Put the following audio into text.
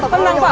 ya allah pak